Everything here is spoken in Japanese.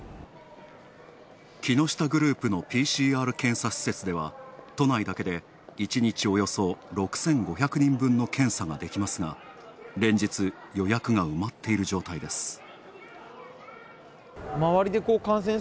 木下グループのＰＣＲ検査場では都内だけで１日およそ６５００人分の検査ができますが、連日予約が埋まっている状態です。